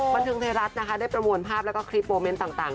บันเทิงไทยรัฐนะคะได้ประมวลภาพแล้วก็คลิปโมเมนต์ต่าง